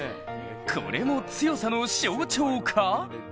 これも強さの象徴か？